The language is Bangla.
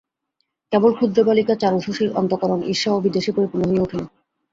কেবল ক্ষুদ্র বালিকা চারুশশীর অন্তঃকরণ ঈর্ষা ও বিদ্বেষে পরিপূর্ণ হইয়া উঠিল।